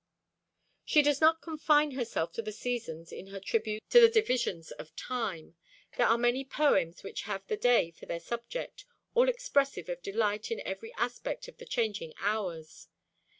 She does not confine herself to the Seasons in her tributes to the divisions of time. There are many poems which have the day for their subject, all expressive of delight in every aspect of the changing hours.